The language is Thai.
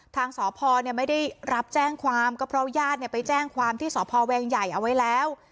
ทางสอบพอร์เนี่ยไม่ได้รับแจ้งความก็เพราะญาติเนี่ยไปแจ้งความที่สอบพอร์แวงใหญ่เอาไว้แล้ว